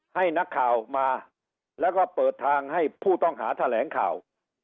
ให้นักข่าวมาแล้วก็เปิดทางให้ผู้ต้องหาแถลงข่าว